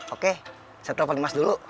oke saya telepon emas dulu